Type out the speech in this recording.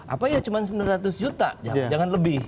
apa ya cuma sembilan ratus juta jangan lebih